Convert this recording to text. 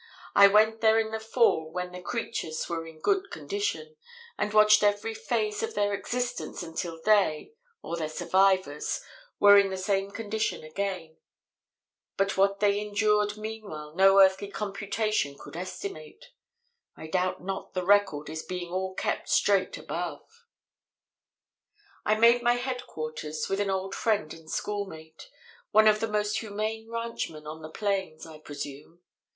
"I went there in the fall when the creatures were in good condition, and watched every phase of their existence until they or their survivors were in the same condition again; but what they endured meanwhile no earthly computation could estimate; I doubt not the record is being all kept straight above. "I made my headquarters with an old friend and schoolmate one of the most humane ranchmen on the plains, I presume.